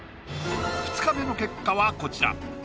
２日目の結果はこちら！